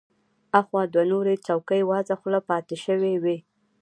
اخوا دوه نورې څوکۍ وازه خوله پاتې شوې وې.